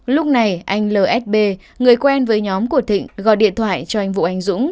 lúc này anh lsb người quen với nhóm của thịnh gọi điện thoại cho anh vũ anh dũng